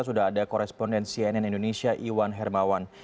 sudah ada koresponden cnn indonesia iwan hermawan